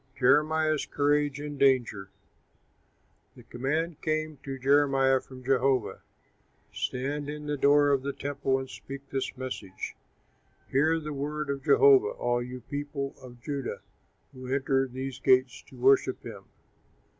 JEREMIAH'S COURAGE IN DANGER The command came to Jeremiah from Jehovah, "Stand in the door of the temple and speak this message: 'Hear the word of Jehovah, all you people of Judah who enter these gates to worship him.